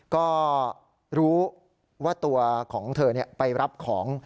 ก็รู้ว่าตัวของเธอไปรับของ